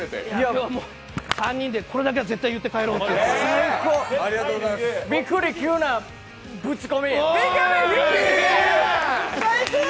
３人で、これだけは絶対言って帰ろうって言ってて。